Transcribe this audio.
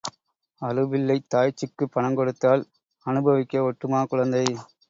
அழுபிள்ளைத் தாய்ச்சிக்குப் பணம் கொடுத்தால் அநுபவிக்க ஒட்டுமா குழந்தை?